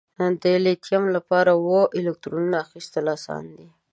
د لیتیم لپاره اووه الکترونو اخیستل آسان دي؟